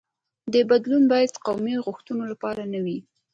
دا بدلون باید قومي غوښتنو لپاره نه وي.